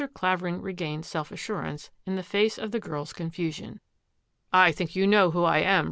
Clavering regained self assurance in face of the girl's confusion. " I think you know who I am.